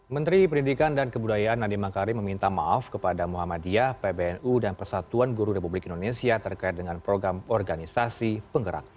menteri pendidikan dan kebudayaan nadiem makarim meminta maaf kepada muhammadiyah pbnu dan persatuan guru republik indonesia terkait dengan program organisasi penggerak